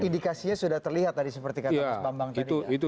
indikasinya sudah terlihat tadi seperti kata mas bambang tadi